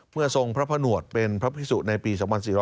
เมื่อทรงพระพระหนวดเป็นพระพิสุในปี๒๔๙๙